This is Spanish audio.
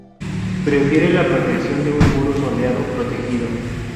Prefiere la protección de un muro soleado protegido.